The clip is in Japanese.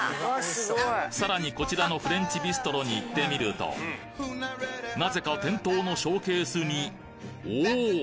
さらにこちらのフレンチビストロに行ってみるとなぜか店頭のショーケースにおお！